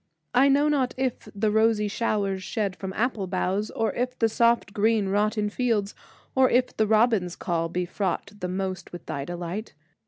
I know not if the rosy showers shed From apple boughs, or if the soft green wrought In fields, or if the robin's call be fraught The most with thy delight.